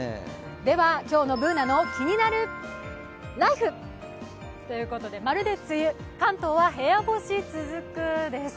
今日の「ＢｏｏｎａのキニナルＬＩＦＥ」ということで、まるで梅雨関東は部屋干し続くです。